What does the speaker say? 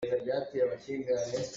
Mah chizawh pawl hi an tar tuk cang.